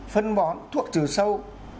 phân bón thuốc trừ sâu